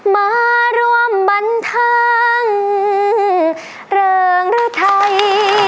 มาร่วมบรรทังเรื่องรื้อไทย